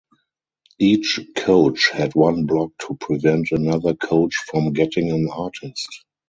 Each coach had one block to prevent another coach from getting an artist.